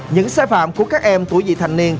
những sai phạm của các em tuổi vị thành niên